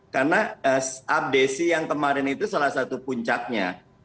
karena abdesi yang kemarin itu salah satu puncaknya